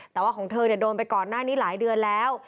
แต่ว่าของเธอโดนไปก่อนหน้านี้หลายเดือนแล้ว